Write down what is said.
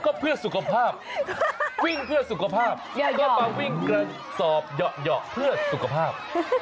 ก็เพื่อสุขภาพวิ่งเพื่อสุขภาพก็มาวิ่งกระสอบเหยาะเพื่อสุขภาพ